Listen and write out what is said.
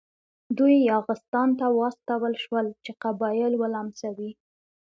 دوی یاغستان ته واستول شول چې قبایل ولمسوي.